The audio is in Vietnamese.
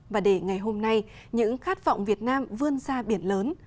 và để ngày hôm nay những khát vọng việt nam vươn ra biển lớn